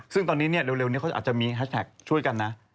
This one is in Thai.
ซึ่งตอนนี้เร็วนี้เขาอาจจะมีแฮชแท็กช่วยกันนะ